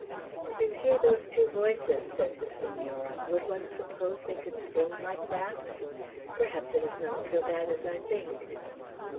"To hear those two voices." said the Senora; "would one suppose they could sing like that? Perhaps it is not so bad as I think."